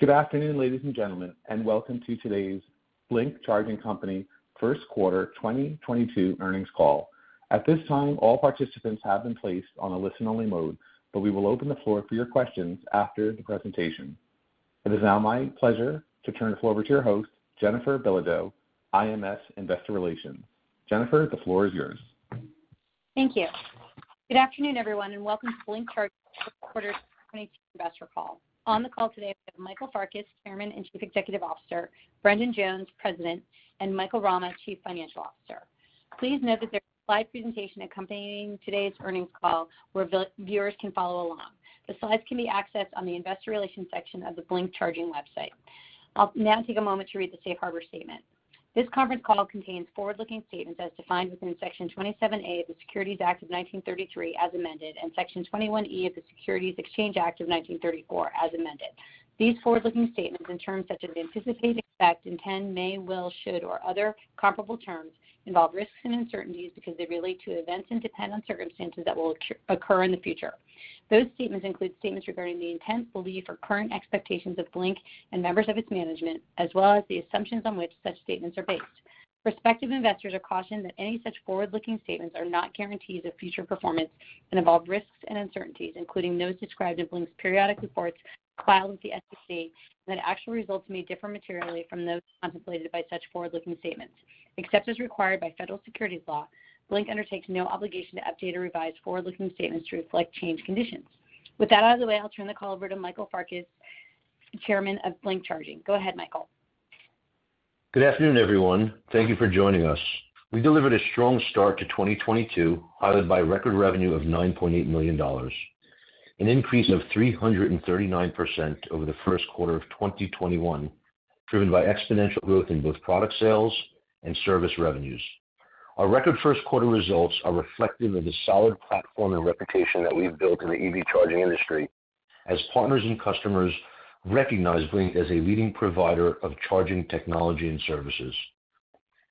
Good afternoon, ladies and gentlemen, and welcome to today's Blink Charging Co. first quarter 2022 earnings call. At this time, all participants have been placed on a listen-only mode, but we will open the floor for your questions after the presentation. It is now my pleasure to turn the floor over to your host, Jennifer Belodeau, IMS Investor Relations. Jennifer, the floor is yours. Thank you. Good afternoon, everyone, and welcome to Blink Charging first quarter 2022 investor call. On the call today, we have Michael Farkas, Chairman and Chief Executive Officer, Brendan Jones, President, and Michael Rama, Chief Financial Officer. Please note that there's a slide presentation accompanying today's earnings call where viewers can follow along. The slides can be accessed on the investor relations section of the Blink Charging website. I'll now take a moment to read the safe harbor statement. This conference call contains forward-looking statements as defined within Section 27A of the Securities Act of 1933 as amended, and Section 21E of the Securities Exchange Act of 1934 as amended. These forward-looking statements in terms such as anticipate, expect, intend, may, will, should, or other comparable terms involve risks and uncertainties because they relate to events and dependent circumstances that will occur in the future. Those statements include statements regarding the intent, belief or current expectations of Blink and members of its management, as well as the assumptions on which such statements are based. Prospective investors are cautioned that any such forward-looking statements are not guarantees of future performance and involve risks and uncertainties, including those described in Blink's periodic reports filed with the SEC, and that actual results may differ materially from those contemplated by such forward-looking statements. Except as required by federal securities law, Blink undertakes no obligation to update or revise forward-looking statements to reflect changed conditions. With that out of the way, I'll turn the call over to Michael Farkas, Chairman of Blink Charging. Go ahead, Michael. Good afternoon, everyone. Thank you for joining us. We delivered a strong start to 2022, highlighted by record revenue of $9.8 million, an increase of 339% over the first quarter of 2021, driven by exponential growth in both product sales and service revenues. Our record first quarter results are reflective of the solid platform and reputation that we've built in the EV charging industry as partners and customers recognize Blink as a leading provider of charging technology and services.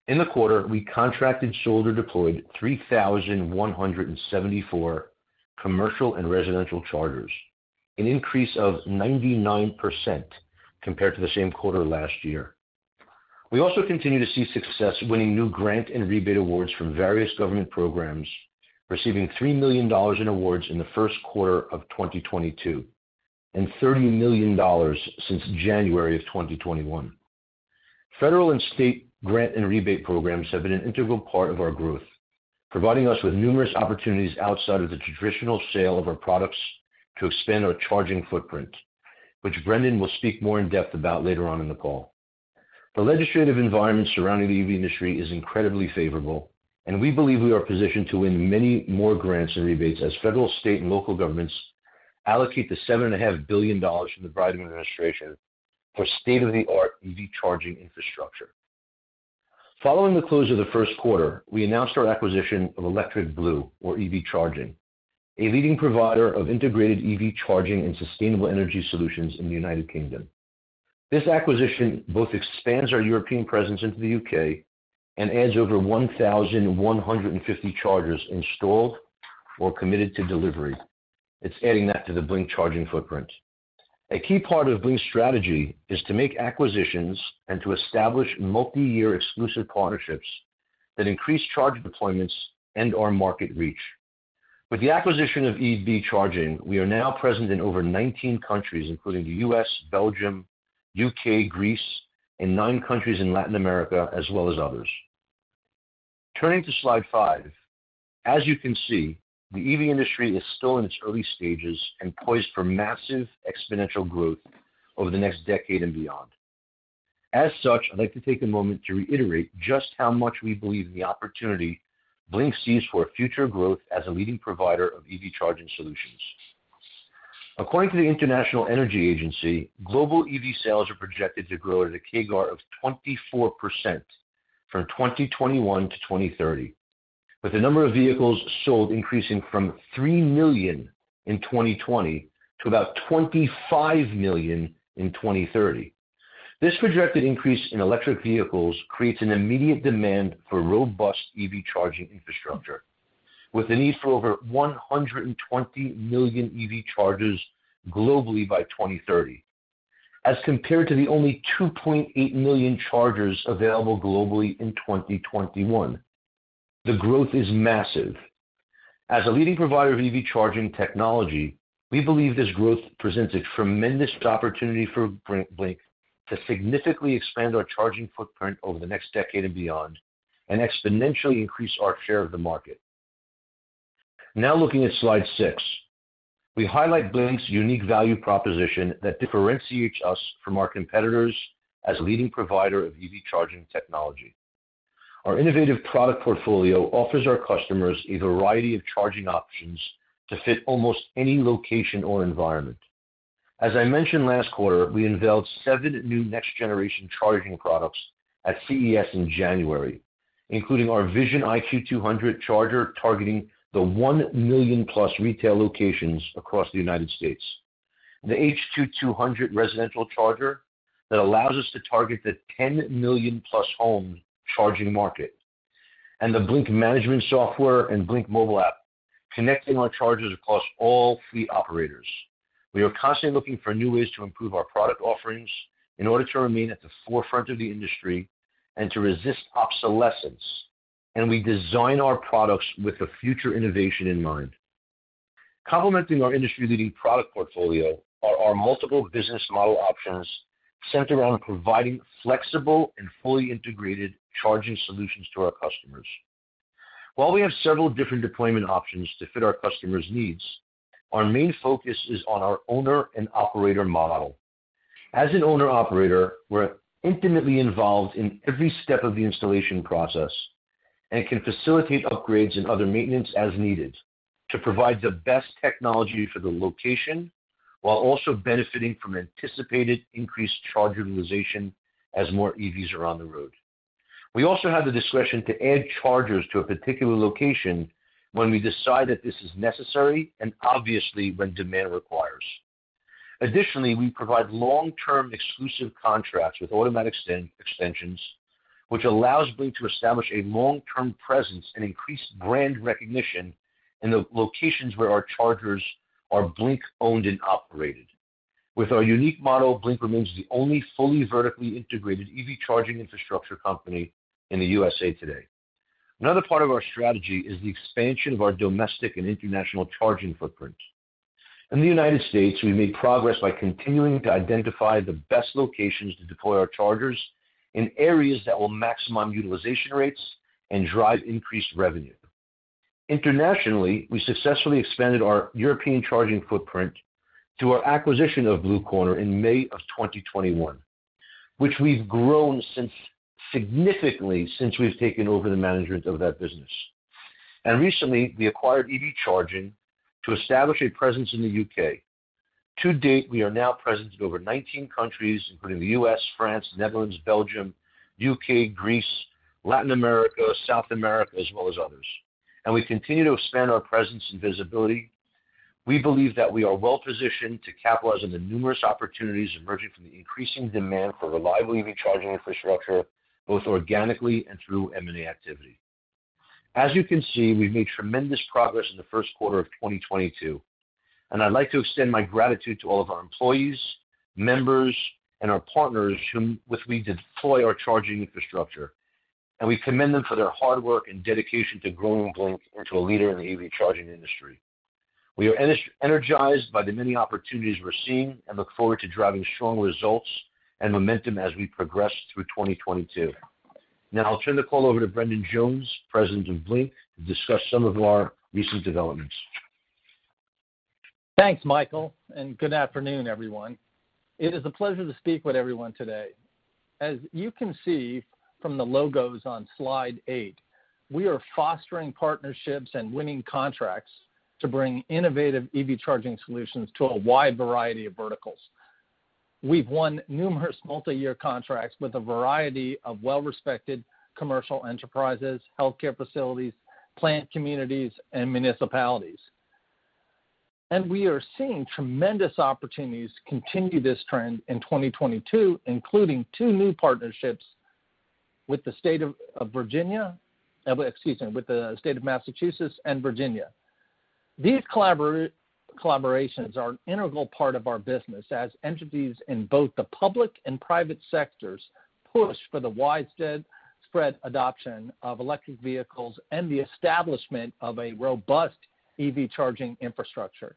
In the quarter, we contracted, sold, or deployed 3,174 commercial and residential chargers, an increase of 99% compared to the same quarter last year. We also continue to see success winning new grant and rebate awards from various government programs, receiving $3 million in awards in the first quarter of 2022, and $30 million since January of 2021. Federal and state grant and rebate programs have been an integral part of our growth, providing us with numerous opportunities outside of the traditional sale of our products to expand our charging footprint, which Brendan will speak more in depth about later on in the call. The legislative environment surrounding the EV industry is incredibly favorable, and we believe we are positioned to win many more grants and rebates as federal, state and local governments allocate the $7.5 billion from the Biden administration for state of the art EV charging infrastructure. Following the close of the first quarter, we announced our acquisition of Electric Blue or EB Charging, a leading provider of integrated EV charging and sustainable energy solutions in the United Kingdom. This acquisition both expands our European presence into the U.K. and adds over 1,150 chargers installed or committed to delivery. It's adding that to the Blink Charging footprint. A key part of Blink's strategy is to make acquisitions and to establish multi-year exclusive partnerships that increase charge deployments and our market reach. With the acquisition of EB Charging, we are now present in over 19 countries, including the U.S., Belgium, U.K., Greece and nine countries in Latin America, as well as others. Turning to slide five. As you can see, the EV industry is still in its early stages and poised for massive exponential growth over the next decade and beyond. As such, I'd like to take a moment to reiterate just how much we believe in the opportunity Blink sees for future growth as a leading provider of EV charging solutions. According to the International Energy Agency, global EV sales are projected to grow at a CAGR of 24% from 2021 to 2030, with the number of vehicles sold increasing from three million in 2020 to about 25 million in 2030. This projected increase in electric vehicles creates an immediate demand for robust EV charging infrastructure, with a need for over 120 million EV chargers globally by 2030, as compared to the only 2.8 million chargers available globally in 2021. The growth is massive. As a leading provider of EV charging technology, we believe this growth presents a tremendous opportunity for Blink to significantly expand our charging footprint over the next decade and beyond, and exponentially increase our share of the market. Now looking at slide six, we highlight Blink's unique value proposition that differentiates us from our competitors as a leading provider of EV charging technology. Our innovative product portfolio offers our customers a variety of charging options to fit almost any location or environment. As I mentioned last quarter, we unveiled seven new next-generation charging products at CES in January, including our Vision IQ 200 charger targeting the one million-plus retail locations across the United States. The HQ 200 residential charger that allows us to target the 10 million-plus home charging market. The Blink management software and Blink Mobile App, connecting our chargers across all fleet operators. We are constantly looking for new ways to improve our product offerings in order to remain at the forefront of the industry and to resist obsolescence. We design our products with the future innovation in mind. Complementing our industry-leading product portfolio are our multiple business model options centered around providing flexible and fully integrated charging solutions to our customers. While we have several different deployment options to fit our customers' needs, our main focus is on our owner and operator model. As an owner-operator, we're intimately involved in every step of the installation process and can facilitate upgrades and other maintenance as needed to provide the best technology for the location while also benefiting from anticipated increased charge utilization as more EVs are on the road. We also have the discretion to add chargers to a particular location when we decide that this is necessary and obviously when demand requires. Additionally, we provide long-term exclusive contracts with automatic extensions, which allows Blink to establish a long-term presence and increase brand recognition in the locations where our chargers are Blink-owned and operated. With our unique model, Blink remains the only fully vertically integrated EV charging infrastructure company in the USA today. Another part of our strategy is the expansion of our domestic and international charging footprint. In the United States, we made progress by continuing to identify the best locations to deploy our chargers in areas that will maximize utilization rates and drive increased revenue. Internationally, we successfully expanded our European charging footprint through our acquisition of Blue Corner in May of 2021, which we've grown significantly since we've taken over the management of that business. Recently, we acquired EB Charging to establish a presence in the U.K. To date, we are now present in over 19 countries, including the U.S., France, Netherlands, Belgium, U.K., Greece, Latin America, South America, as well as others and we continue to expand our presence and visibility. We believe that we are well-positioned to capitalize on the numerous opportunities emerging from the increasing demand for reliable EV charging infrastructure, both organically and through M&A activity. As you can see, we've made tremendous progress in the first quarter of 2022, and I'd like to extend my gratitude to all of our employees, members and our partners whom with we deploy our charging infrastructure, and we commend them for their hard work and dedication to growing Blink into a leader in the EV charging industry. We are energized by the many opportunities we're seeing and look forward to driving strong results and momentum as we progress through 2022. Now I'll turn the call over to Brendan Jones, President of Blink, to discuss some of our recent developments. Thanks, Michael and good afternoon, everyone. It is a pleasure to speak with everyone today. As you can see from the logos on slide eight, we are fostering partnerships and winning contracts to bring innovative EV charging solutions to a wide variety of verticals. We've won numerous multiyear contracts with a variety of well-respected commercial enterprises, healthcare facilities, planned communities, and municipalities. We are seeing tremendous opportunities to continue this trend in 2022, including two new partnerships with the state of Massachusetts and Virginia. These collaborations are an integral part of our business as entities in both the public and private sectors push for the widespread adoption of electric vehicles and the establishment of a robust EV charging infrastructure.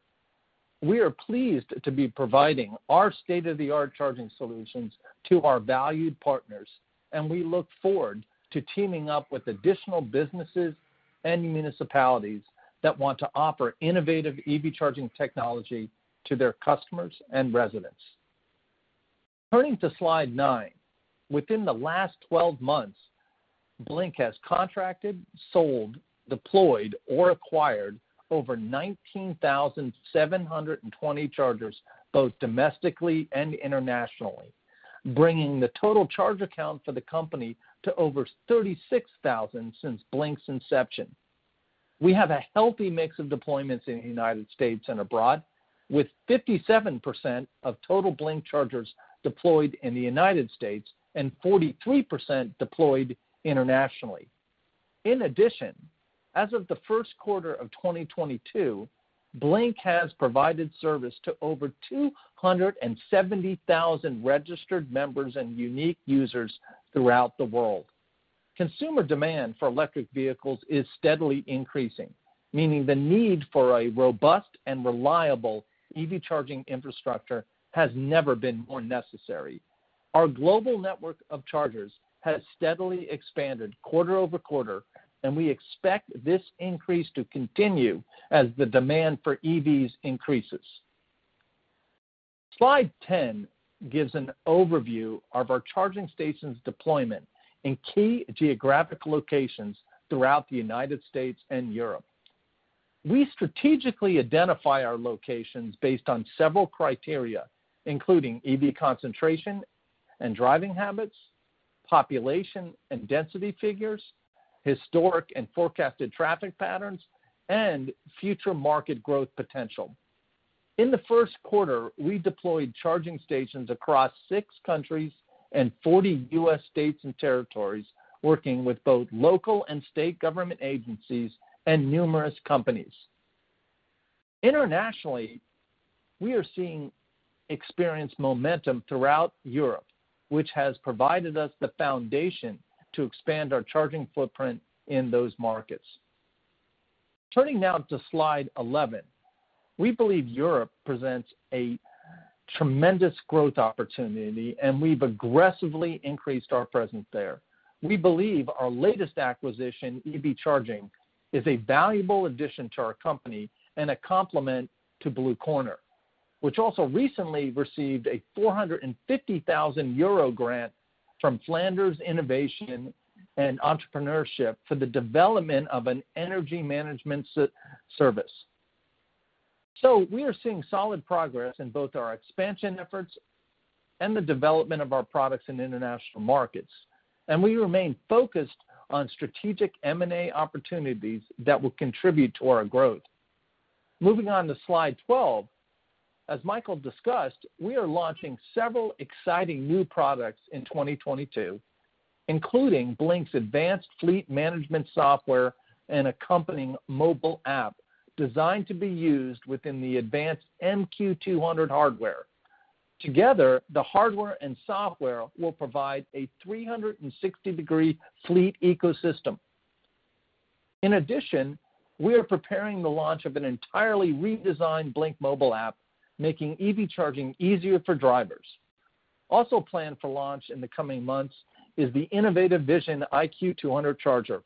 We are pleased to be providing our state-of-the-art charging solutions to our valued partners, and we look forward to teaming up with additional businesses and municipalities that want to offer innovative EV charging technology to their customers and residents. Turning to slide nine. Within the last 12 months, Blink has contracted, sold, deployed, or acquired over 19,720 chargers, both domestically and internationally, bringing the total charge account for the company to over 36,000 since Blink's inception. We have a healthy mix of deployments in the United States and abroad, with 57% of total Blink chargers deployed in the United States and 43% deployed internationally. In addition, as of the first quarter of 2022, Blink has provided service to over 270,000 registered members and unique users throughout the world. Consumer demand for electric vehicles is steadily increasing, meaning the need for a robust and reliable EV charging infrastructure has never been more necessary. Our global network of chargers has steadily expanded quarter over quarter, and we expect this increase to continue as the demand for EVs increases. Slide 10 gives an overview of our charging stations deployment in key geographic locations throughout the United States and Europe. We strategically identify our locations based on several criteria, including EV concentration and driving habits, population and density figures, historic and forecasted traffic patterns, and future market growth potential. In the first quarter, we deployed charging stations across six countries and 40 U.S. states and territories, working with both local and state government agencies and numerous companies. Internationally, we are seeing experienced momentum throughout Europe, which has provided us the foundation to expand our charging footprint in those markets. Turning now to slide 11. We believe Europe presents a tremendous growth opportunity, and we've aggressively increased our presence there. We believe our latest acquisition, EB Charging, is a valuable addition to our company and a complement to Blue Corner, which also recently received a 450,000 euro grant from Flanders Innovation & Entrepreneurship for the development of an energy management service. We are seeing solid progress in both our expansion efforts and the development of our products in international markets, and we remain focused on strategic M&A opportunities that will contribute to our growth. Moving on to slide 12. As Michael discussed, we are launching several exciting new products in 2022, including Blink's advanced fleet management software and accompanying mobile app designed to be used within the advanced MQ 200 hardware. Together, the hardware and software will provide a 360-degree fleet ecosystem. In addition, we are preparing the launch of an entirely redesigned Blink Mobile App, making EV charging easier for drivers. Also planned for launch in the coming months is the innovative Vision IQ 200 charger,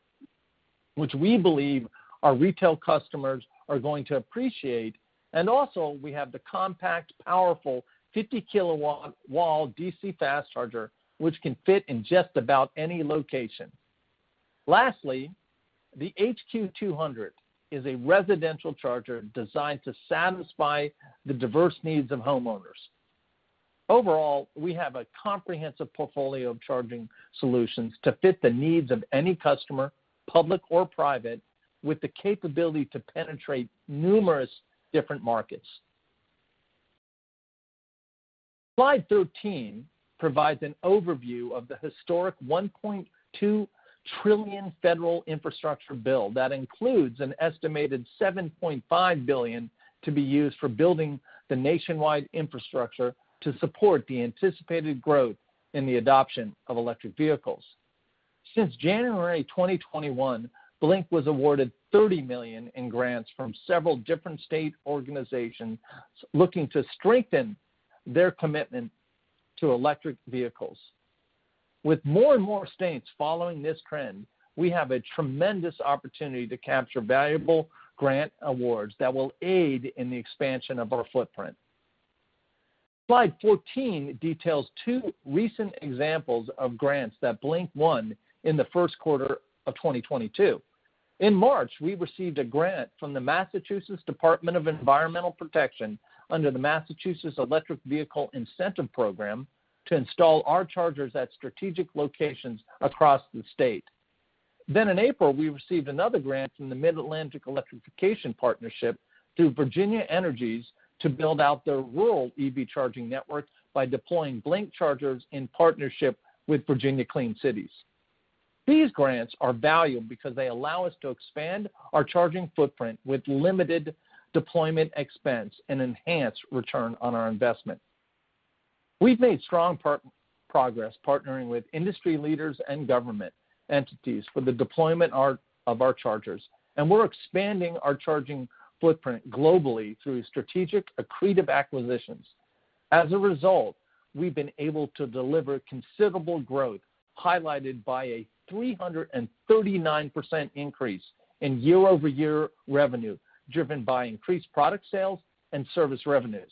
which we believe our retail customers are going to appreciate. We have the compact, powerful 50 kW wall DC fast charger, which can fit in just about any location. Lastly, the HQ 200 is a residential charger designed to satisfy the diverse needs of homeowners. Overall, we have a comprehensive portfolio of charging solutions to fit the needs of any customer, public or private, with the capability to penetrate numerous different markets. Slide 13 provides an overview of the historic $1.2 trillion federal infrastructure bill that includes an estimated $7.5 billion to be used for building the nationwide infrastructure to support the anticipated growth in the adoption of electric vehicles. Since January 2021, Blink was awarded $30 million in grants from several different state organizations looking to strengthen their commitment to electric vehicles. With more and more states following this trend, we have a tremendous opportunity to capture valuable grant awards that will aid in the expansion of our footprint. Slide 14 details two recent examples of grants that Blink won in the first quarter of 2022. In March, we received a grant from the Massachusetts Department of Environmental Protection under the Massachusetts Electric Vehicle Incentive Program to install our chargers at strategic locations across the state. In April, we received another grant from the Mid-Atlantic Electrification Partnership through Virginia Energy to build out their rural EV charging network by deploying Blink chargers in partnership with Virginia Clean Cities. These grants are valuable because they allow us to expand our charging footprint with limited deployment expense and enhance return on our investment. We've made strong progress partnering with industry leaders and government entities for the deployment of our chargers, and we're expanding our charging footprint globally through strategic accretive acquisitions. As a result, we've been able to deliver considerable growth, highlighted by a 339% increase in year-over-year revenue, driven by increased product sales and service revenues.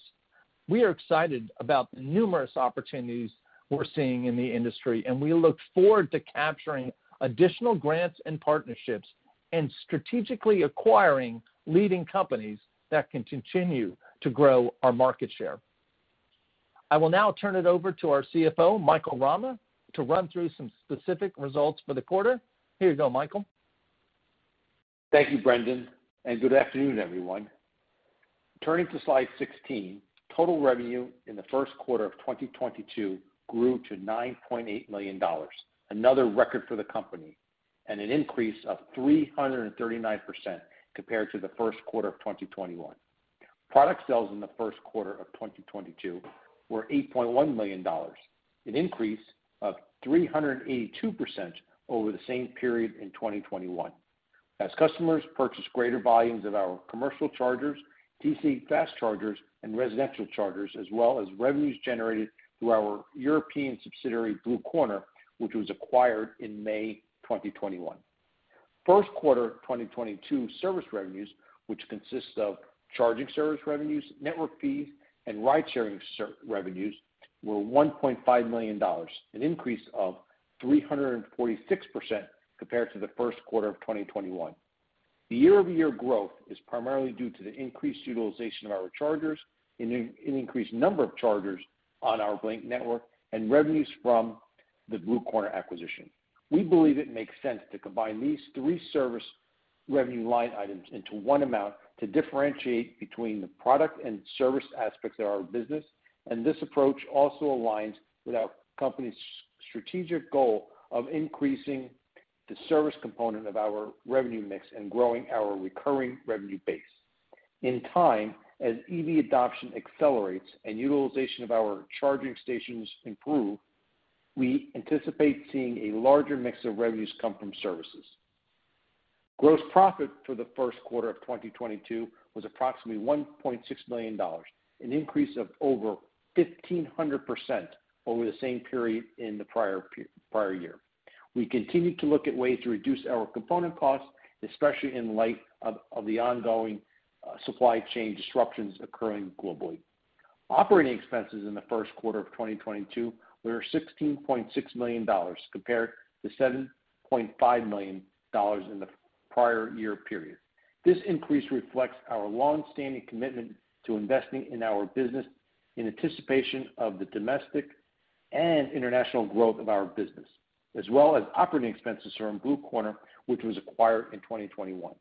We are excited about the numerous opportunities we're seeing in the industry, and we look forward to capturing additional grants and partnerships and strategically acquiring leading companies that can continue to grow our market share. I will now turn it over to our CFO, Michael Rama, to run through some specific results for the quarter. Here you go, Michael. Thank you, Brendan, and good afternoon, everyone. Turning to slide 16, total revenue in the first quarter of 2022 grew to $9.8 million, another record for the company and an increase of 339% compared to the first quarter of 2021. Product sales in the first quarter of 2022 were $8.1 million, an increase of 382% over the same period in 2021. As customers purchased greater volumes of our commercial chargers, DC fast chargers, and residential chargers, as well as revenues generated through our European subsidiary, Blue Corner, which was acquired in May 2021. First quarter 2022 service revenues, which consists of charging service revenues, network fees, and ride-sharing service revenues, were $1.5 million, an increase of 346% compared to the first quarter of 2021. The year-over-year growth is primarily due to the increased utilization of our chargers and increased number of chargers on our Blink network and revenues from the Blue Corner acquisition. We believe it makes sense to combine these three service revenue line items into one amount to differentiate between the product and service aspects of our business, and this approach also aligns with our company's strategic goal of increasing the service component of our revenue mix and growing our recurring revenue base. In time, as EV adoption accelerates and utilization of our charging stations improve, we anticipate seeing a larger mix of revenues come from services. Gross profit for the first quarter of 2022 was approximately $1.6 million, an increase of over 1,500% over the same period in the prior year. We continue to look at ways to reduce our component costs, especially in light of the ongoing supply chain disruptions occurring globally. Operating expenses in the first quarter of 2022 were $16.6 million compared to $7.5 million in the prior year period. This increase reflects our long-standing commitment to investing in our business in anticipation of the domestic and international growth of our business, as well as operating expenses from Blue Corner, which was acquired in 2021.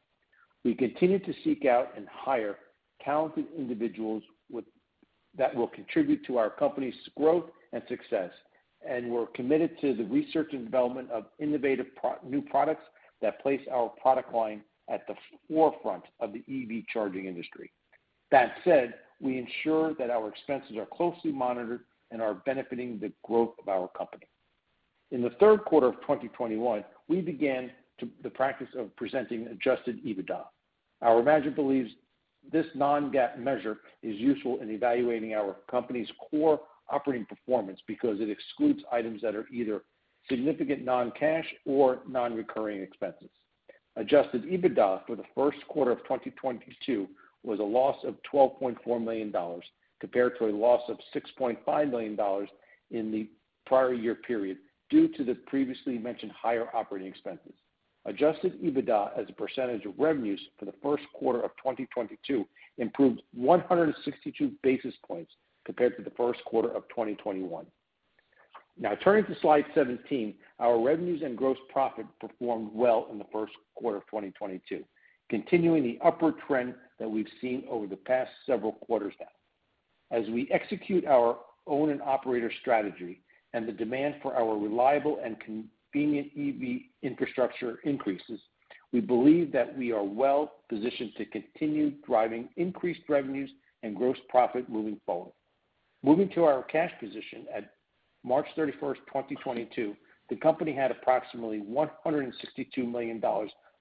We continue to seek out and hire talented individuals that will contribute to our company's growth and success, and we're committed to the research and development of innovative new products that place our product line at the forefront of the EV charging industry. That said, we ensure that our expenses are closely monitored and are benefiting the growth of our company. In the third quarter of 2021, we began the practice of presenting adjusted EBITDA. Our management believes this non-GAAP measure is useful in evaluating our company's core operating performance because it excludes items that are either significant non-cash or non-recurring expenses. Adjusted EBITDA for the first quarter of 2022 was a loss of $12.4 million compared to a loss of $6.5 million in the prior year period due to the previously mentioned higher operating expenses. Adjusted EBITDA as a percentage of revenues for the first quarter of 2022 improved 162 basis points compared to the first quarter of 2021. Now turning to slide 17. Our revenues and gross profit performed well in the first quarter of 2022, continuing the upward trend that we've seen over the past several quarters now. As we execute our owner and operator strategy and the demand for our reliable and convenient EV infrastructure increases, we believe that we are well-positioned to continue driving increased revenues and gross profit moving forward. Moving to our cash position. At March 31, 2022, the company had approximately $162 million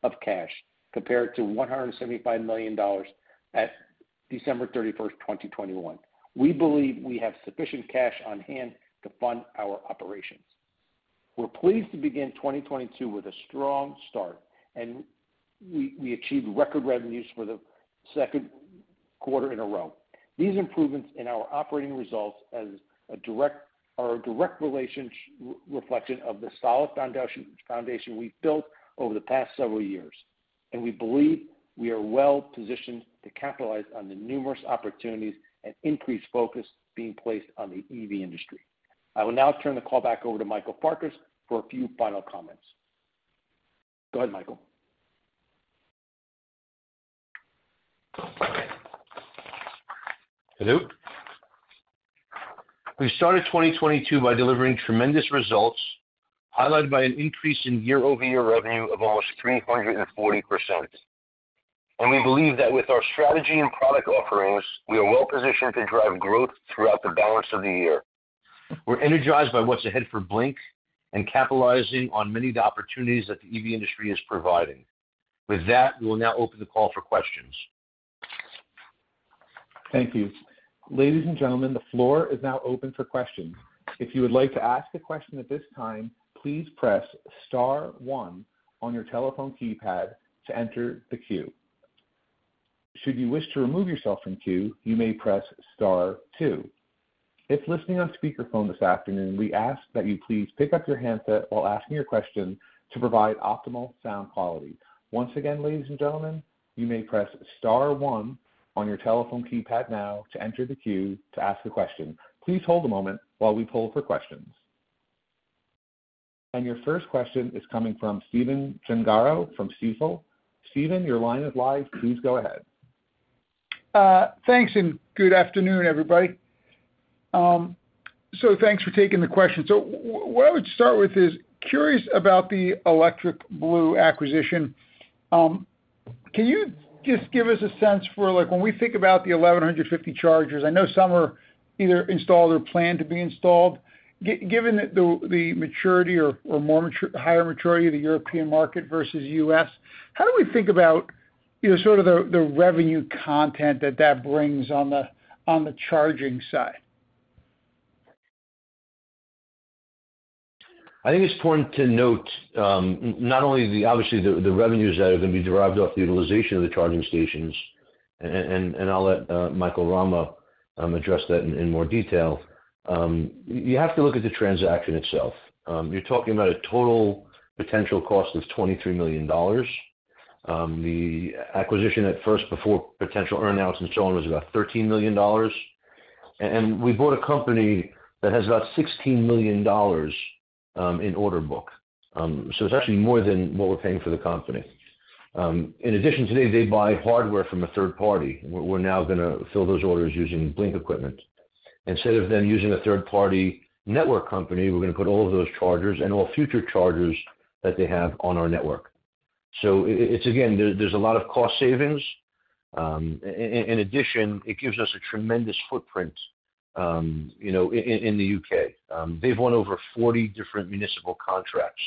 of cash compared to $175 million at December 31, 2021. We believe we have sufficient cash on hand to fund our operations. We're pleased to begin 2022 with a strong start, and we achieved record revenues for the second quarter in a row. These improvements in our operating results are a direct reflection of the solid foundation we've built over the past several years, and we believe we are well-positioned to capitalize on the numerous opportunities and increased focus being placed on the EV industry. I will now turn the call back over to Michael Farkas for a few final comments. Go ahead, Michael. Hello. We started 2022 by delivering tremendous results, highlighted by an increase in year-over-year revenue of almost 340%. We believe that with our strategy and product offerings, we are well-positioned to drive growth throughout the balance of the year. We're energized by what's ahead for Blink and capitalizing on many of the opportunities that the EV industry is providing. With that, we will now open the call for questions. Thank you. Ladies and gentlemen, the floor is now open for questions. If you would like to ask a question at this time, please press star one on your telephone keypad to enter the queue. Should you wish to remove yourself from queue, you may press star two. If listening on speakerphone this afternoon, we ask that you please pick up your handset while asking your question to provide optimal sound quality. Once again, ladies and gentlemen, you may press star one on your telephone keypad now to enter the queue to ask a question. Please hold a moment while we poll for questions. Your first question is coming from Stephen Gengaro from Stifel. Stephen, your line is live. Please go ahead. Thanks, and good afternoon, everybody. Thanks for taking the question. What I would start with, I'm curious about the Electric Blue acquisition. Can you just give us a sense for, like, when we think about the 1,150 chargers, I know some are either installed or planned to be installed. Given that the maturity or higher maturity of the European market versus U.S., how do we think about, you know, sort of the revenue content that that brings on the charging side? I think it's important to note not only obviously the revenues that are going to be derived off the utilization of the charging stations, and I'll let Michael Rama address that in more detail. You have to look at the transaction itself. You're talking about a total potential cost of $23 million. The acquisition at first before potential earn-outs and so on was about $13 million. We bought a company that has about $16 million in order book. It's actually more than what we're paying for the company. In addition to that, they buy hardware from a third party. We're now gonna fill those orders using Blink equipment. Instead of them using a third-party network company, we're gonna put all of those chargers and all future chargers that they have on our network. It's again, there's a lot of cost savings. In addition, it gives us a tremendous footprint, you know, in the UK. They've won over 40 different municipal contracts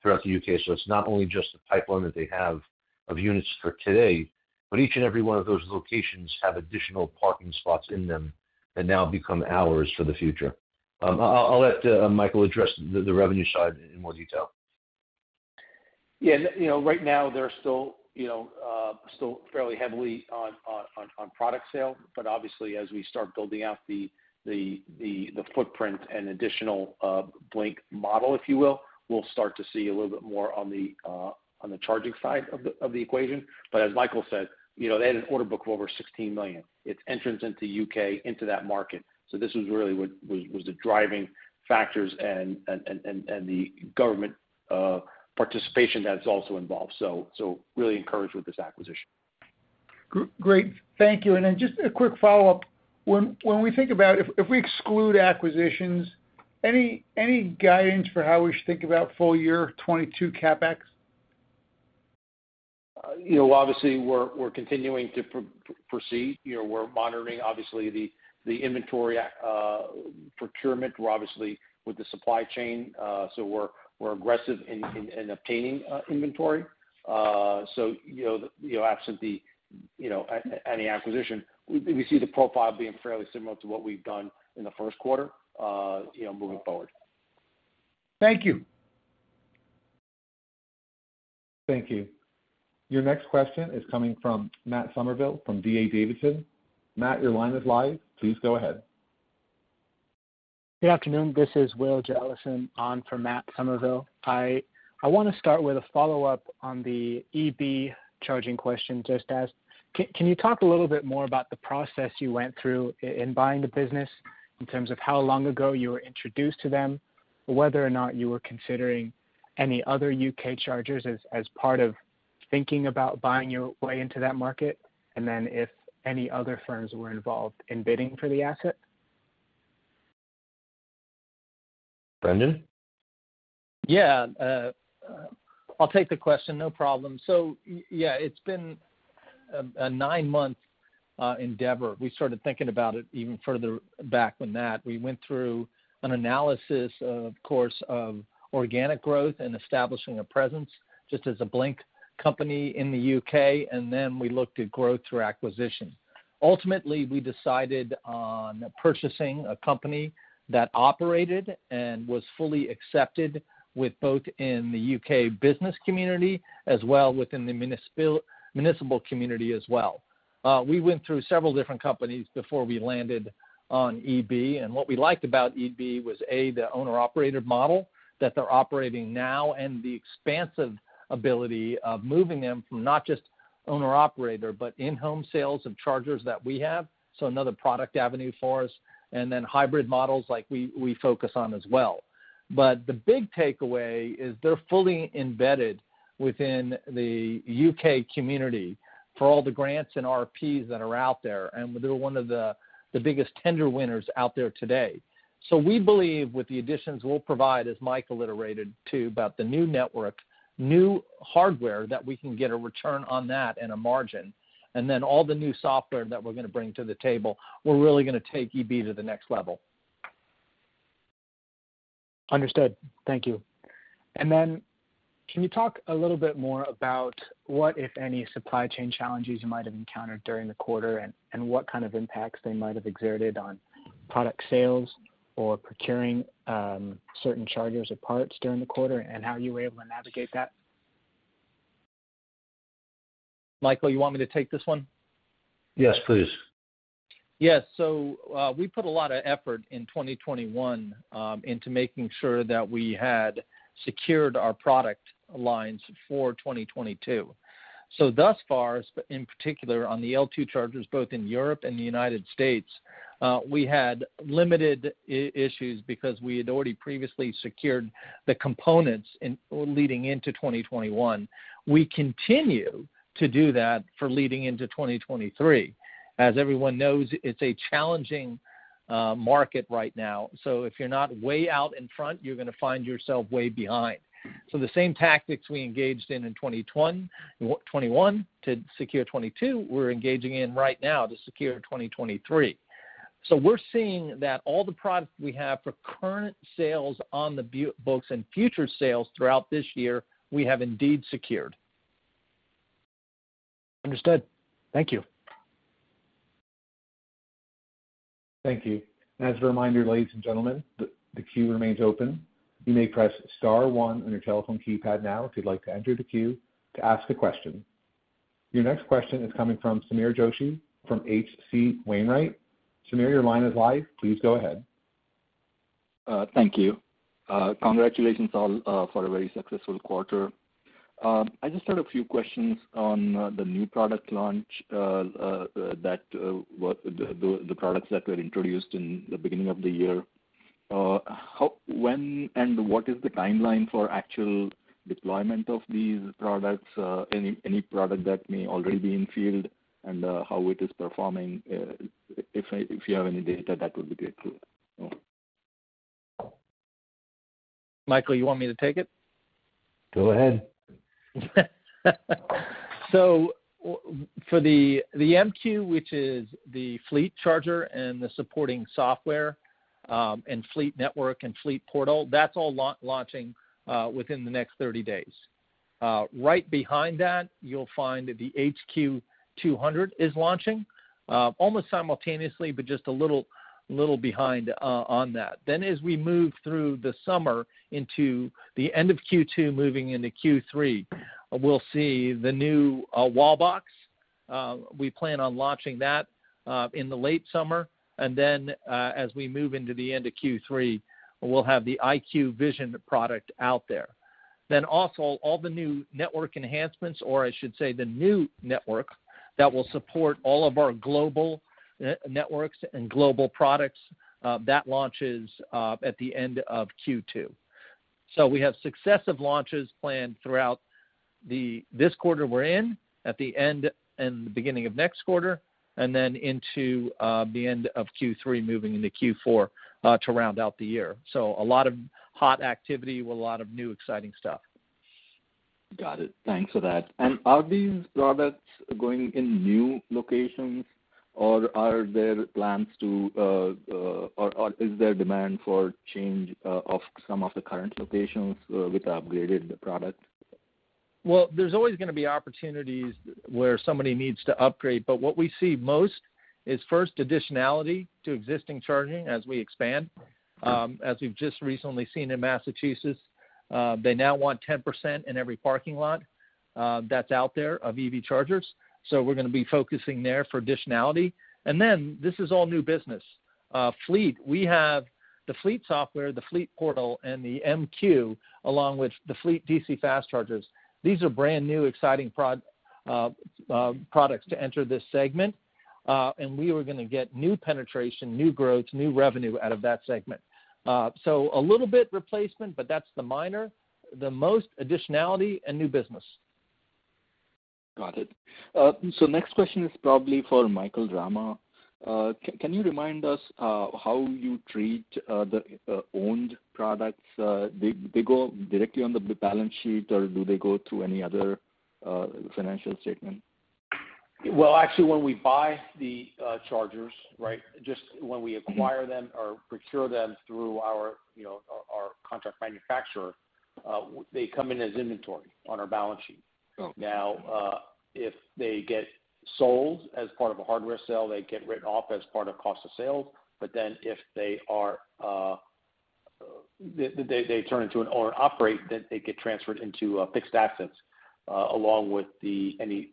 throughout the UK. It's not only just the pipeline that they have of units for today, but each and every one of those locations have additional parking spots in them and now become ours for the future. I'll let Michael address the revenue side in more detail. Yeah. You know, right now they're still, you know, still fairly heavily on product sale. Obviously as we start building out the footprint and additional Blink model, if you will, we'll start to see a little bit more on the charging side of the equation. As Michael said, you know, they had an order book of over $16 million. Its entrance into the UK market. This was really what was the driving factors and the government participation that's also involved. Really encouraged with this acquisition. Great. Thank you. Just a quick follow-up. When we think about if we exclude acquisitions, any guidance for how we should think about full year 2022 CapEx? You know, obviously we're continuing to proceed. You know, we're monitoring obviously the inventory procurement. We're obviously with the supply chain, so we're aggressive in obtaining inventory. You know, absent any acquisition, we see the profile being fairly similar to what we've done in the first quarter, you know, moving forward. Thank you. Thank you. Your next question is coming from Matt Summerville from D.A. Davidson. Matt, your line is live. Please go ahead. Good afternoon. This is Will Jellison on for Matt Summerville. I wanna start with a follow-up on the EB Charging question just asked. Can you talk a little bit more about the process you went through in buying the business in terms of how long ago you were introduced to them, whether or not you were considering any other UK chargers as part of thinking about buying your way into that market, and then if any other firms were involved in bidding for the asset? Brendan? Yeah. I'll take the question, no problem. Yeah, it's been a nine month endeavor. We started thinking about it even further back than that. We went through an analysis of course, of organic growth and establishing a presence just as a Blink company in the UK, and then we looked at growth through acquisition. Ultimately, we decided on purchasing a company that operated and was fully accepted with both in the UK business community as well within the municipal community as well. We went through several different companies before we landed on EB. What we liked about EB was, A, the owner-operator model that they're operating now and the expansive ability of moving them from not just owner-operator, but in-home sales of chargers that we have, so another product avenue for us, and then hybrid models like we focus on as well. The big takeaway is they're fully embedded within the UK community for all the grants and RFPs that are out there, and they're one of the biggest tender winners out there today. We believe with the additions we'll provide, as Michael iterated too, about the new network, new hardware that we can get a return on that and a margin, and then all the new software that we're gonna bring to the table, we're really gonna take EB to the next level. Understood. Thank you. Can you talk a little bit more about what, if any, supply chain challenges you might have encountered during the quarter and what kind of impacts they might have exerted on product sales or procuring certain chargers or parts during the quarter, and how you were able to navigate that? Michael, you want me to take this one? Yes, please. Yes. We put a lot of effort in 2021 into making sure that we had secured our product lines for 2022. Thus far, in particular on the L two chargers, both in Europe and the United States, we had limited issues because we had already previously secured the components leading into 2021. We continue to do that for leading into 2023. As everyone knows, it's a challenging market right now. If you're not way out in front, you're gonna find yourself way behind. The same tactics we engaged in in 2021 to secure 2022, we're engaging in right now to secure 2023. We're seeing that all the products we have for current sales on the books and future sales throughout this year, we have indeed secured. Understood. Thank you. Thank you. As a reminder, ladies and gentlemen, the queue remains open. You may press star one on your telephone keypad now if you'd like to enter the queue to ask a question. Your next question is coming from Sameer Joshi from H.C. Wainwright. Sameer, your line is live. Please go ahead. Thank you. Congratulations all for a very successful quarter. I just had a few questions on the new product launch, the products that were introduced in the beginning of the year. When and what is the timeline for actual deployment of these products? Any product that may already be in the field and how it is performing. If you have any data, that would be great too. Michael, you want me to take it? Go ahead. For the MQ, which is the fleet charger and the supporting software, and fleet network and fleet portal, that's all launching within the next 30 days. Right behind that, you'll find the HQ 200 is launching almost simultaneously, but just a little behind on that. As we move through the summer into the end of Q2, moving into Q3, we'll see the new wall box. We plan on launching that in the late summer. As we move into the end of Q3, we'll have the Vision IQ product out there. Also all the new network enhancements, or I should say, the new network that will support all of our global networks and global products, that launches at the end of Q2. We have successive launches planned throughout this quarter we're in, at the end and the beginning of next quarter, and then into the end of Q3, moving into Q4 to round out the year. A lot of hot activity with a lot of new exciting stuff. Got it. Thanks for that. Are these products going in new locations or is there demand for change of some of the current locations with the upgraded product? Well, there's always gonna be opportunities where somebody needs to upgrade, but what we see most is first additionality to existing charging as we expand. As we've just recently seen in Massachusetts, they now want 10% in every parking lot that's out there of EV chargers. We're gonna be focusing there for additionality. This is all new business. Fleet, we have the fleet software, the fleet portal, and the MQ, along with the fleet DC fast chargers. These are brand-new exciting products to enter this segment. And we were gonna get new penetration, new growth, new revenue out of that segment. A little bit replacement, but that's the minor. The most additionality and new business. Got it. Next question is probably for Michael Rama. Can you remind us how you treat the owned products? They go directly on the balance sheet, or do they go through any other financial statement? Well, actually, when we buy the chargers, right, just when we acquire them or procure them through our, you know, contract manufacturer, they come in as inventory on our balance sheet. Oh. Now, if they get sold as part of a hardware sale, they get written off as part of cost of sales. If they are, they turn into an owner-operated, then they get transferred into fixed assets along with any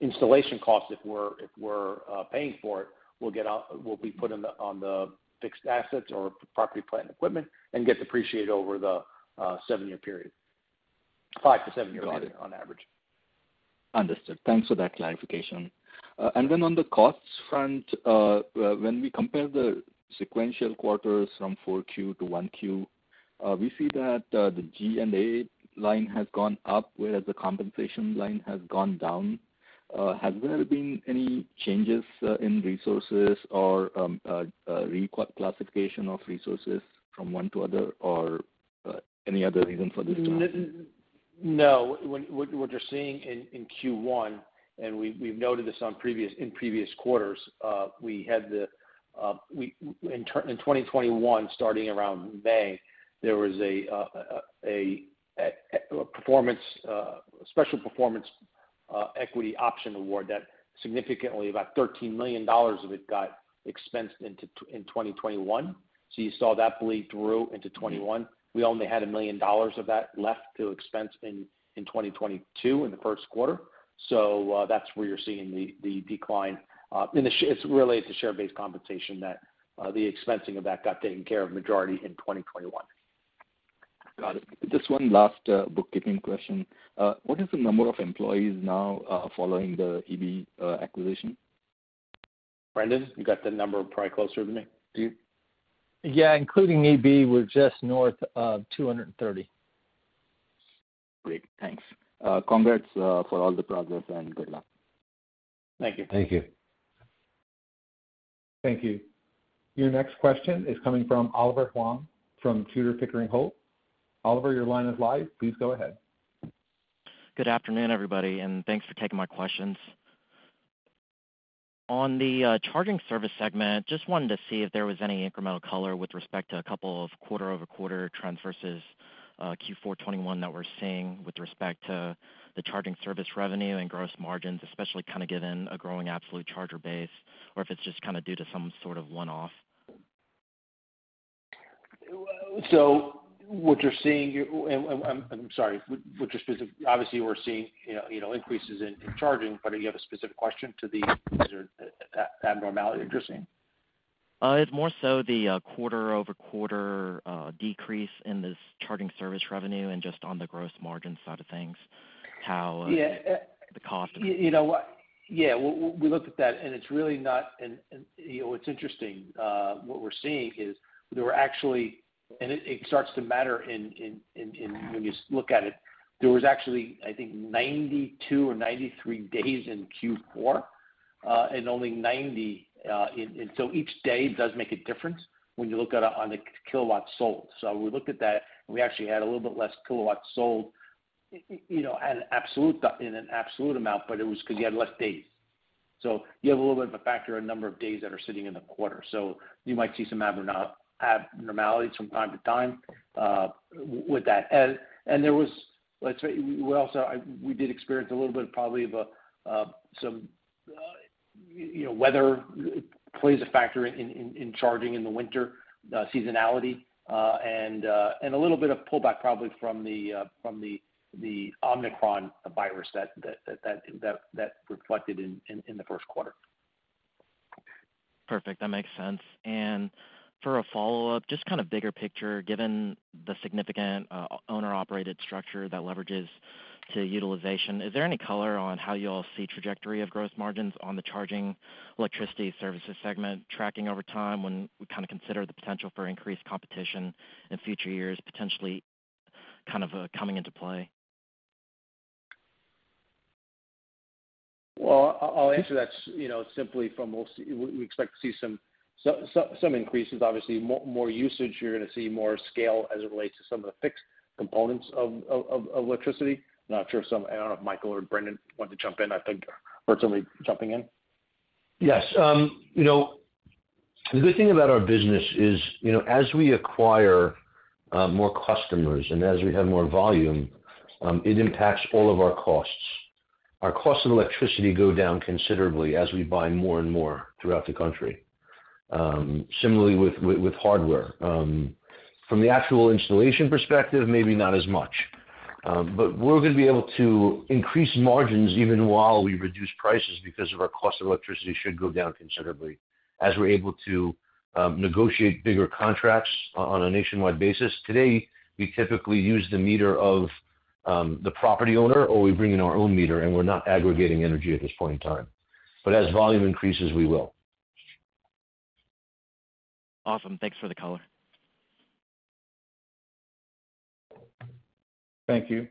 installation costs, if we're paying for it, will be put on the fixed assets or property, plant and equipment and get depreciated over the seven year period. five to seven year period on average. Got it. Understood. Thanks for that clarification. On the costs front, when we compare the sequential quarters from 4Q to 1Q, we see that the G&A line has gone up, whereas the compensation line has gone down. Has there been any changes in resources or reclassification of resources from one to other or any other reason for this drop? No. What you're seeing in Q1, and we've noted this in previous quarters, we had in 2021, starting around May, there was a special performance equity option award that significantly about $13 million of it got expensed into 2021. You saw that bleed through into 2021. We only had $1 million of that left to expense in 2022 in the first quarter. That's where you're seeing the decline. It's related to share-based compensation that the expensing of that got taken care of majority in 2021. Got it. Just one last bookkeeping question. What is the number of employees now following the EB acquisition? Brendan, you got the number probably closer than me. Do you? Yeah. Including EB, we're just north of 230. Great. Thanks. Congrats for all the progress, and good luck. Thank you. Thank you. Thank you. Your next question is coming from Oliver Huang from Tudor, Pickering, Holt & Co. Oliver, your line is live. Please go ahead. Good afternoon, everybody, and thanks for taking my questions. On the charging service segment, just wanted to see if there was any incremental color with respect to a couple of quarter-over-quarter trends versus Q4 2021 that we're seeing with respect to the charging service revenue and gross margins, especially kind of given a growing absolute charger base, or if it's just kind of due to some sort of one-off. Obviously, we're seeing, you know, increases in charging, but you have a specific question to the, is there an abnormality you're seeing? It's more so the quarter-over-quarter decrease in this charging service revenue and just on the gross margin side of things, how Yeah. the cost. You know what? Yeah. We looked at that and it's really not. You know, it's interesting what we're seeing is there were actually. It starts to matter when you look at it. There was actually, I think 92 or 93 days in Q4, and only 90 in. Each day does make a difference when you look at on the kilowatt sold. We looked at that, and we actually had a little bit less kilowatts sold, you know, in an absolute amount, but it was 'cause you had less days. You have a little bit of a factor, a number of days that are sitting in the quarter. You might see some abnormalities from time to time with that. Let's say we also did experience a little bit probably of some you know weather plays a factor in charging in the winter seasonality and a little bit of pullback probably from the Omicron virus that reflected in the first quarter. Perfect. That makes sense. For a follow-up, just kind of bigger picture, given the significant owner-operated structure that leverages to utilization, is there any color on how you all see trajectory of gross margins on the charging electricity services segment tracking over time when we kind of consider the potential for increased competition in future years, potentially kind of coming into play? Well, I'll answer that, you know, simply. We'll see. We expect to see some increases. Obviously, more usage, you're gonna see more scale as it relates to some of the fixed components of electricity. Not sure. I don't know if Michael or Brendan want to jump in. I think we're certainly jumping in. Yes. You know, the good thing about our business is, you know, as we acquire more customers and as we have more volume, it impacts all of our costs. Our cost of electricity go down considerably as we buy more and more throughout the country. Similarly with hardware. From the actual installation perspective, maybe not as much. We're gonna be able to increase margins even while we reduce prices because of our cost of electricity should go down considerably as we're able to negotiate bigger contracts on a nationwide basis. Today, we typically use the meter of the property owner or we bring in our own meter, and we're not aggregating energy at this point in time. As volume increases, we will. Awesome. Thanks for the color. Thank you.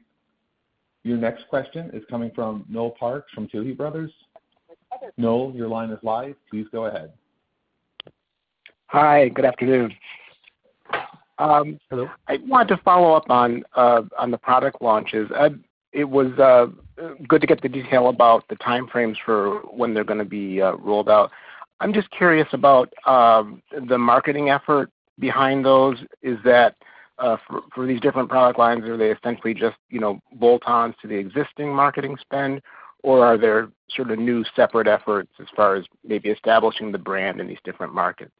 Your next question is coming from Noel Parks from Tuohy Brothers. Noel, your line is live. Please go ahead. Hi, good afternoon. Hello. I want to follow up on the product launches. It was good to get the detail about the time frames for when they're gonna be rolled out. I'm just curious about the marketing effort behind those. Is that, for these different product lines, are they essentially just, you know, bolt-ons to the existing marketing spend, or are there sort of new separate efforts as far as maybe establishing the brand in these different markets?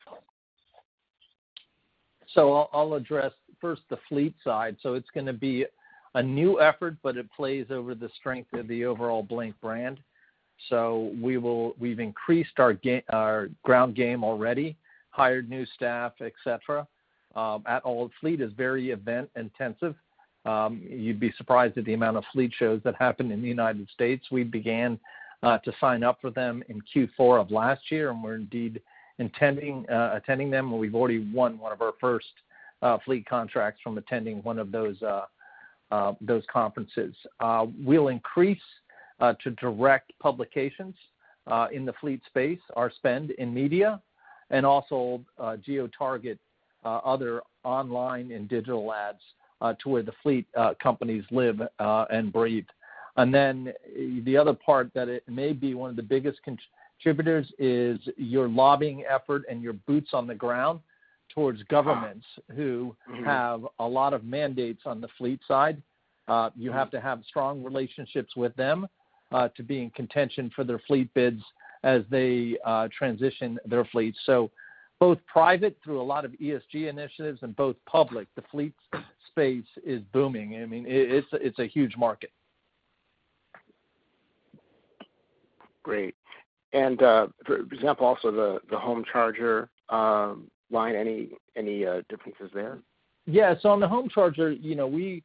I'll address first the fleet side. It's gonna be a new effort, but it plays to the strength of the overall Blink brand. We've increased our ground game already, hired new staff, et cetera. Overall fleet is very event intensive. You'd be surprised at the amount of fleet shows that happen in the United States. We began to sign up for them in Q4 of last year, and we're indeed intending to attend them, and we've already won one of our first fleet contracts from attending one of those conferences. We'll increase to direct publications in the fleet space, our spend in media, and also geo-target other online and digital ads to where the fleet companies live and breathe. The other part that it may be one of the biggest contributors is your lobbying effort and your boots on the ground towards governments who have a lot of mandates on the fleet side. You have to have strong relationships with them, to be in contention for their fleet bids as they transition their fleet. Both private through a lot of ESG initiatives and both public, the fleet space is booming. I mean, it's a huge market. Great. For example, also the home charger line, any differences there? Yeah. On the home charger, you know, we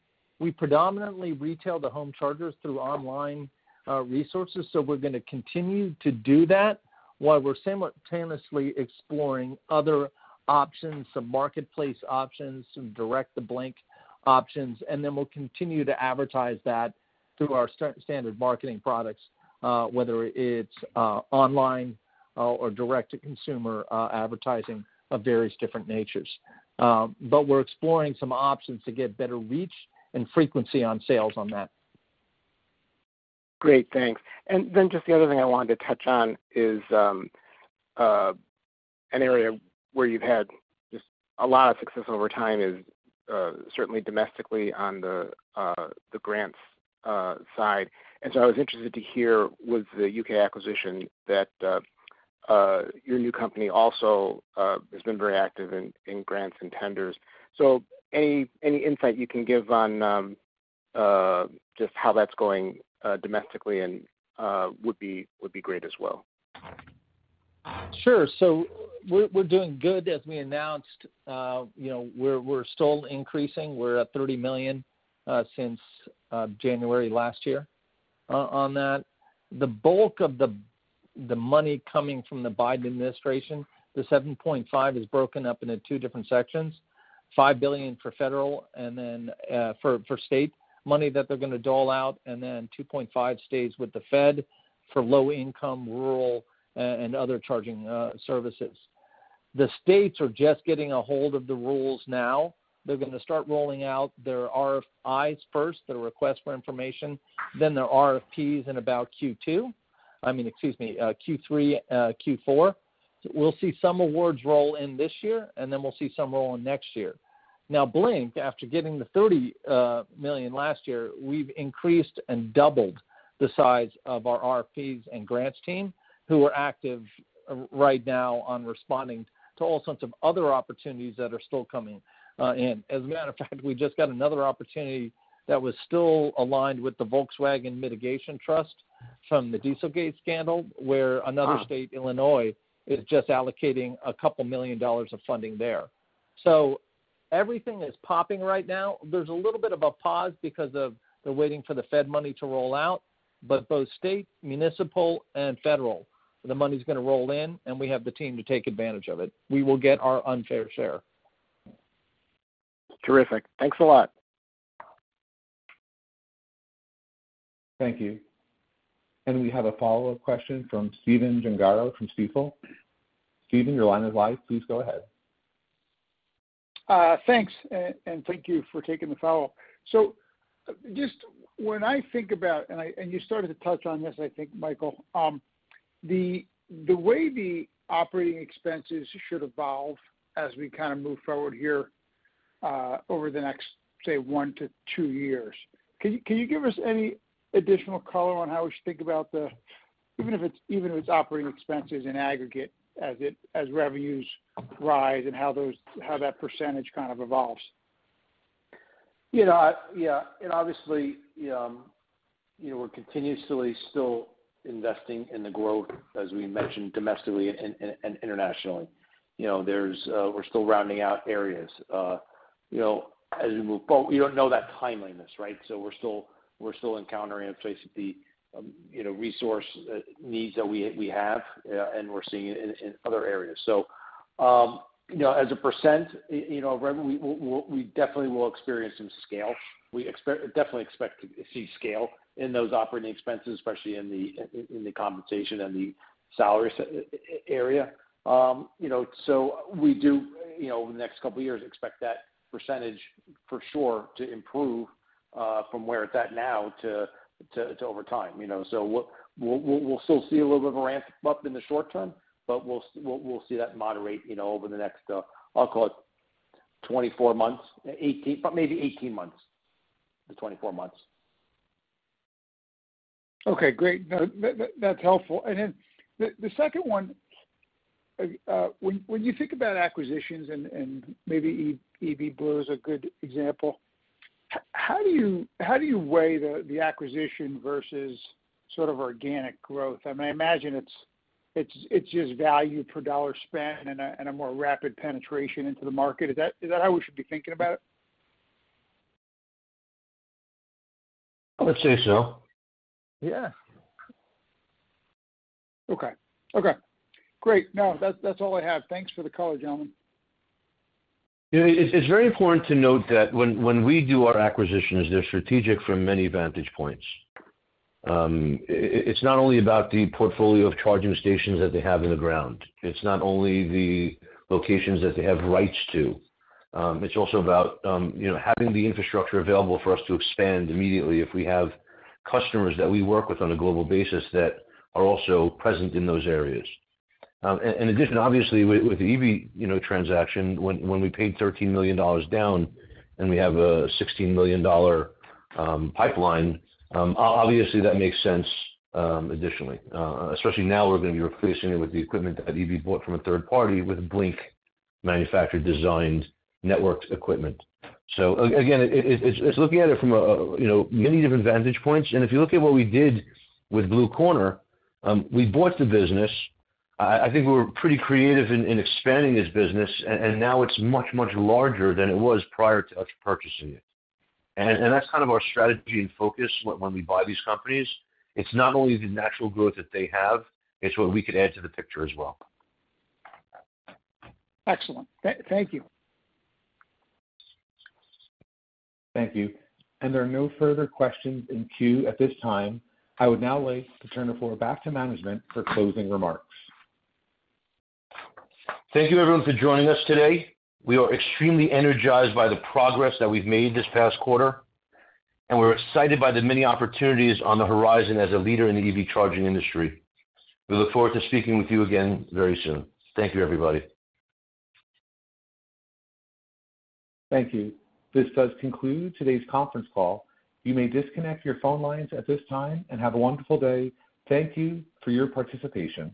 predominantly retail the home chargers through online resources, so we're gonna continue to do that while we're simultaneously exploring other options, some marketplace options, some direct to Blink options, and then we'll continue to advertise that through our standard marketing products, whether it's online or direct to consumer advertising of various different natures. We're exploring some options to get better reach and frequency on sales on that. Great. Thanks. Just the other thing I wanted to touch on is an area where you've had just a lot of success over time is certainly domestically on the grants side. I was interested to hear with the UK acquisition that your new company also has been very active in grants and tenders. Any insight you can give on just how that's going domestically and would be great as well. Sure. We're doing good. As we announced, you know, we're still increasing. We're at 30 million since January last year on that. The bulk of the money coming from the Biden administration, the $7.5 billion is broken up into two different sections. $5 billion for federal and then for state money that they're gonna dole out, and then $2.5 billion stays with the Fed for low income, rural, and other charging services. The states are just getting a hold of the rules now. They're gonna start rolling out their RFIs first, their request for information. Then their RFPs in about Q2. I mean, excuse me, Q3, Q4. We'll see some awards roll in this year, and then we'll see some roll in next year. Blink, after getting the $30 million last year, we've increased and doubled the size of our RFPs and grants team, who are active right now on responding to all sorts of other opportunities that are still coming in. As a matter of fact, we just got another opportunity that was still aligned with the Volkswagen Mitigation Trust from the Dieselgate scandal, where another state, Illinois, is just allocating a couple million dollars of funding there. Everything is popping right now. There's a little bit of a pause because of they're waiting for the Fed money to roll out. Both state, municipal, and federal, the money's gonna roll in, and we have the team to take advantage of it. We will get our unfair share. Terrific. Thanks a lot. Thank you. We have a follow-up question from Stephen Gengaro from Stifel. Stephen, your line is live. Please go ahead. Thanks. Thank you for taking the follow-up. Just when I think about and you started to touch on this, I think, Michael, the way the operating expenses should evolve as we kinda move forward here over the next, say, 1-2 years, can you give us any additional color on how we should think about the even if it's operating expenses in aggregate as revenues rise and how that percentage kind of evolves? You know, yeah. Obviously, you know, we're continuously still investing in the growth, as we mentioned, domestically and internationally. You know, there's, we're still rounding out areas, you know, as we move forward. We don't know that timeliness, right? We're still encountering in place the, you know, resource needs that we have, and we're seeing it in other areas. You know, as a percent, you know, we definitely will experience some scale. We definitely expect to see scale in those operating expenses, especially in the compensation and the salary area. You know, so we do, you know, over the next couple of years, expect that percentage for sure to improve from where it's at now to over time, you know. We'll still see a little bit of a ramp-up in the short term, but we'll see that moderate, you know, over the next, I'll call it 24 months, but maybe 18 months to 24 months. Okay, great. No, that's helpful. The second one, when you think about acquisitions and maybe Electric Blue is a good example, how do you weigh the acquisition versus sort of organic growth? I mean, I imagine it's just value per dollar spent and a more rapid penetration into the market. Is that how we should be thinking about it? I would say so. Yeah. Okay. Great. No, that's all I have. Thanks for the color, gentlemen. You know, it's very important to note that when we do our acquisitions, they're strategic from many vantage points. It's not only about the portfolio of charging stations that they have in the ground. It's not only the locations that they have rights to. It's also about, you know, having the infrastructure available for us to expand immediately if we have customers that we work with on a global basis that are also present in those areas. In addition, obviously with the EB, you know, transaction, when we paid $13 million down and we have a $16 million pipeline, obviously that makes sense, additionally. Especially now we're gonna be replacing it with the equipment that EB bought from a third party with Blink manufactured, designed, networked equipment. Again, it's looking at it from a you know many different vantage points. If you look at what we did with Blue Corner, we bought the business. I think we were pretty creative in expanding this business and now it's much larger than it was prior to us purchasing it. That's kind of our strategy and focus when we buy these companies. It's not only the natural growth that they have, it's what we could add to the picture as well. Excellent. Thank you. Thank you. There are no further questions in queue at this time. I would now like to turn the floor back to management for closing remarks. Thank you everyone for joining us today. We are extremely energized by the progress that we've made this past quarter, and we're excited by the many opportunities on the horizon as a leader in the EV charging industry. We look forward to speaking with you again very soon. Thank you, everybody. Thank you. This does conclude today's conference call. You may disconnect your phone lines at this time, and have a wonderful day. Thank you for your participation.